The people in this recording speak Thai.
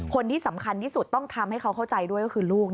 ที่สำคัญที่สุดต้องทำให้เขาเข้าใจด้วยก็คือลูก